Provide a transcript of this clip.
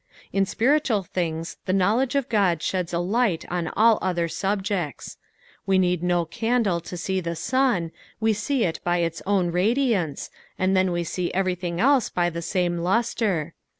In spirituBl things the koowledgcf of God cheds a light on &1I other subjects. Wu need no candle to see the bua, we ste it by ita own radiance, and then see uvcrjlhioR else by the saine lustre.